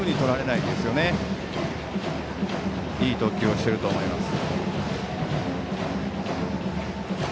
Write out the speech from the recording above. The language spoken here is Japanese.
いい投球をしていると思います。